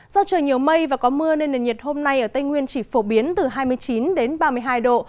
do trời nhiều mây và có mưa nên nền nhiệt hôm nay ở tây nguyên chỉ phổ biến từ hai mươi chín đến ba mươi hai độ